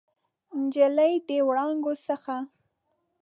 نجلۍ د وړانګو څخه